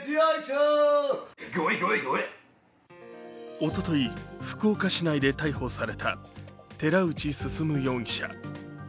おととい、福岡市内で逮捕された寺内進容疑者。